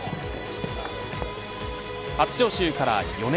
初招集から４年。